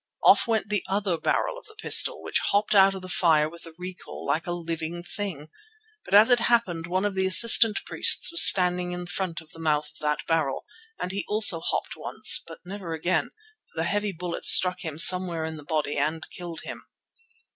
Off went the other barrel of the pistol, which hopped out of the fire with the recoil like a living thing. But as it happened one of the assistant priests was standing in front of the mouth of that barrel, and he also hopped once, but never again, for the heavy bullet struck him somewhere in the body and killed him.